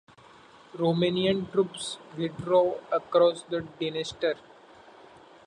Romanian troops withdrew across the Dniester.